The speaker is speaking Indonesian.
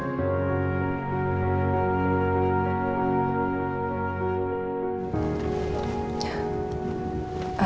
tentunya tidak pak